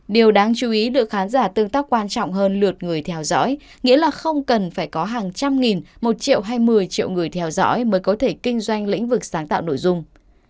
điều đáng chú ý được khán giả tương tác quan trọng hơn lượt người theo dõi nghĩa là không cần phải có hàng trăm nghìn một triệu hay một mươi triệu người theo dõi mới có thể kinh doanh lĩnh vực sáng tạo nội dung